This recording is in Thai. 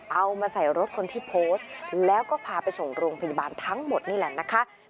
เอามาใส่รถคนที่โพสต์แล้วก็พาไปส่งโรงพยาบาลทั้งหมดนี่แหละนะคะ